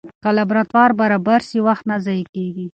که لابراتوار برابر سي، وخت نه ضایع کېږي.